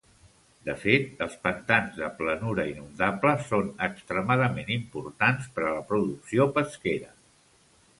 De fet, els pantans de planura inundable són extremadament importants per a la producció pesquera.